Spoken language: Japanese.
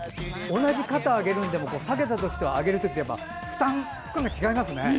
同じ、肩を上げるでも下げたときと上げるときで負担が違いますね。